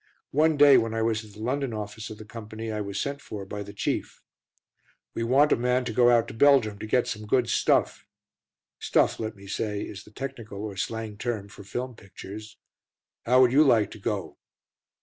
One day when I was at the London office of the Company I was sent for by the Chief. "We want a man to go out to Belgium and get some good 'stuff.' [Stuff, let me say, is the technical or slang term for film pictures.] How would you like to go?"